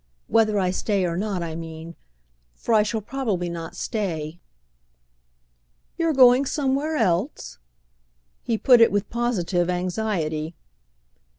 Whether I stay or not, I mean; for I shall probably not stay." "You're going somewhere else?" he put it with positive anxiety.